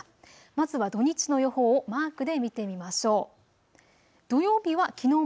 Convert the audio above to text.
まずは土日の予報をマークで見てみましょう。